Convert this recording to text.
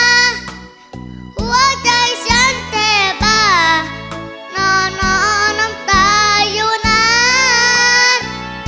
หัวใจฉันเต้บ้านอนอน้ำตาอยู่นาน